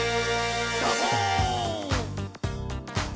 「サボーン！」